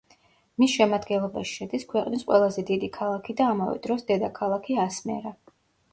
მის შემადგენლობაში შედის ქვეყნის ყველაზე დიდი ქალაქი და ამავე დროს დედაქალაქი ასმერა.